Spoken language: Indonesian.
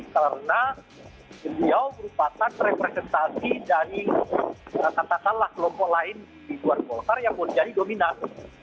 karena beliau merupakan representasi dari kata kata kelompok lain di luar kolkar yang menjadi dominasi